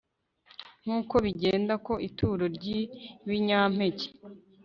nk uko bigenda ku ituro ry ibinyampeke